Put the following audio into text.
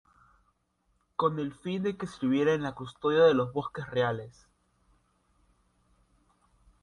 Con el fin de que sirviera en la custodia de los bosques reales.